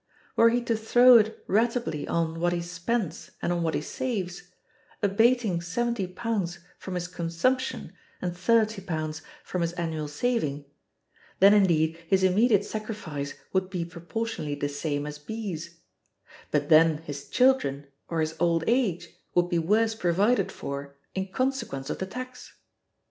Were he to throw it ratably on what he spends and on what he saves, abating £70 from his consumption and £30 from his annual saving, then indeed his immediate sacrifice would be proportionally the same as B's; but then his children or his old age would be worse provided for in consequence of the tax.